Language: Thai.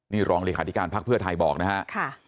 นี่รองเลขาธิการพักเพื่อไทยบอกนะครับ